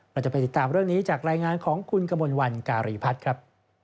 เราจะไปติดตามเรื่องนี้จากรายงานของคุณกมลวันการีพัฒน์ครับ